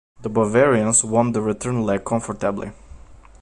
The Bavarians won the return leg comfortably.